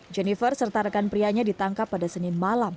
jennifer serta rekan prianya ditangkap pada senin malam